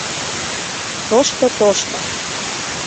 Тошто-тошто.